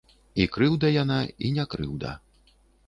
І крыўда яна і не крыўда.